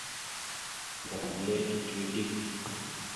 Ɓəzagaam etelle tituwe dik.